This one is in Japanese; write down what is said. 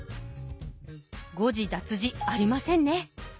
誤字脱字ありませんね。